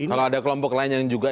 kalau ada kelompok lain yang juga